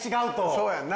そうやんな。